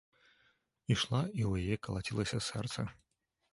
Ішла, і ў яе калацілася сэрца.